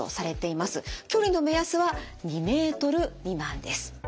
距離の目安は２ｍ未満です。